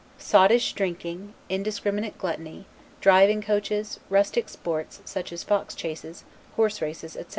Sottish drinking, indiscriminate gluttony, driving coaches, rustic sports, such as fox chases, horse races, etc.